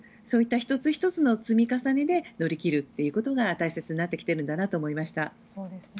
そういった１つ１つの積み重ねで乗り切ることが大切になってきているんだなと思いました。